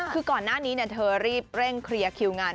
คือก่อนหน้านี้เธอรีบเร่งเคลียร์คิวงาน